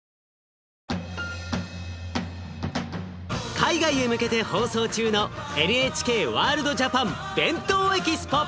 海外へ向けて放送中のＮＨＫワールドＪＡＰＡＮ「ＢＥＮＴＯＥＸＰＯ」！